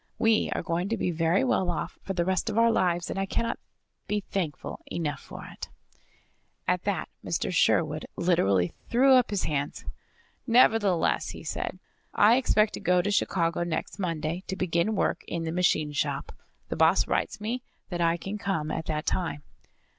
We are going to be very well off for the rest of our lives, and I cannot be thankful enough for it." At that Mr. Sherwood literally threw up his hands. "Nevertheless," he said, "I expect to go to Chicago next Monday, to begin work in the machine shop. The boss writes me that I can come at that time."